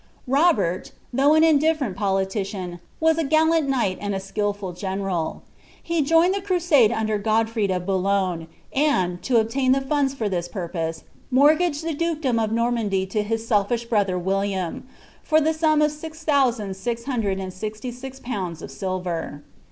Kobert, though an indiffeienl politician, was a gallant knight and* skilful general. He joined the crusade under Godlrey of Boulugac, and, to obtain the funds for this purpose, mortgaged the dukedom of Normandy to his scllish brother William, for the sura of six thuunnd flii hundred and stxty^six pounds of silver.'